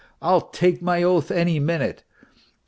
I'll take my oath any minute